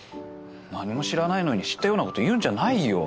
何も知らないのに知ったようなこと言うんじゃないよ。